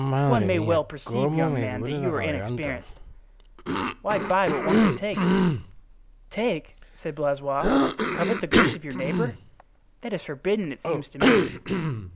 "One may well perceive, young man, that you are inexperienced. Why buy what one can take?" "Take!" said Blaisois; "covet the goods of your neighbor? That is forbidden, it seems to me."